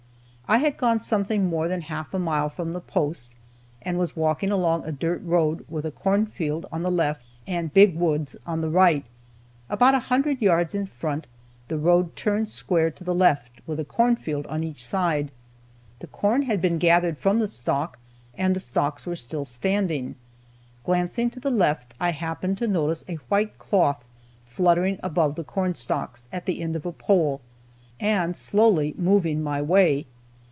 I had gone something more than half a mile from the post, and was walking along a dirt road with a cornfield on the left, and big woods on the right. About a hundred yards in front, the road turned square to the left, with a cornfield on each side. The corn had been gathered from the stalk, and the stalks were still standing. Glancing to the left, I happened to notice a white cloth fluttering above the cornstalks, at the end of a pole, and slowly moving my way.